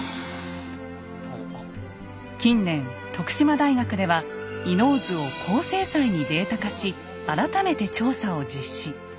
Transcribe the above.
近年徳島大学では「伊能図」を高精細にデータ化し改めて調査を実施。